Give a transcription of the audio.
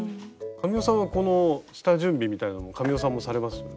神尾さんはこの下準備みたいなのも神尾さんもされます？